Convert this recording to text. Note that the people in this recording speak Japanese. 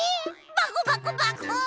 バコバコバコーン！